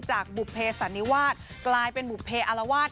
จากบุภเภสันนิวาสกลายเป็นบุภเภอลวาส